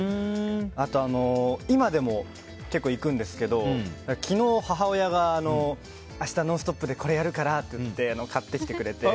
あと、今でも結構行くんですけど昨日、母親が明日、「ノンストップ！」でこれやるからって言って買ってきてくれて。